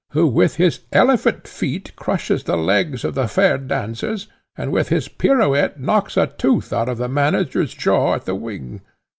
who with his elephant feet crushes the legs of the fair dancers, and with his pirouette knocks a tooth out of the manager's jaw at the wing.